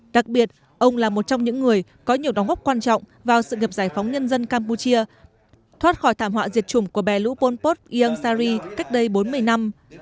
đặc biệt ông là một trong những người có nhiều đóng góp quan trọng vào sự nghiệp giải phóng nhân dân campuchia thoát khỏi thảm họa diệt chủng của bè lũ pol pot iang sari cách đây bốn mươi năm